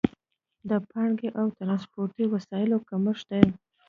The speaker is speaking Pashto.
د پانګې او ترانسپورتي وسایلو کمښت دی.